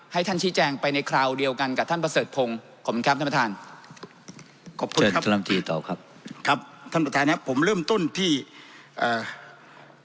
ให้ท่านชี้แจงไปในคราวเดียวกันกับท่านประเสริจพงษ์ขอบคุณครับด้านพดายังผมเริ่มต้นที่หวัง